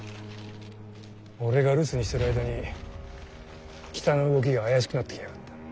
俺が留守にしてる間に北の動きが怪しくなってきやがった。